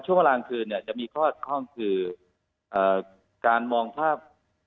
ช่วงเวลาหลางคืนจะมีข้อคือการมองภาพ